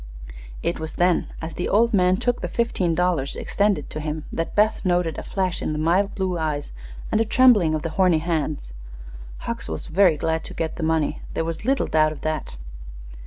It was then, as the old man took the fifteen dollars extended to him, that Beth noted a flash in the mild blue eyes and a trembling of the horny hands. Hucks was very glad to get the money; there was little doubt of that.